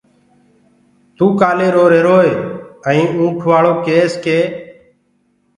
توٚ ڪآلي روهيروئي ائيٚنٚ اُنٚٺ وآݪو ڪيس ڪي